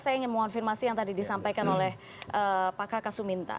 saya ingin mengonfirmasi yang tadi disampaikan oleh pak kakak suminta